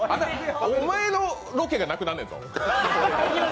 おまえのロケがなくねんねんぞ。